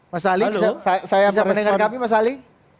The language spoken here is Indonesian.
mas ali bisa pendengar kami mas ali